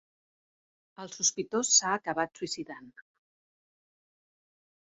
El sospitós s’ha acabat suïcidant.